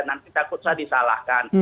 nanti takut saya disalahkan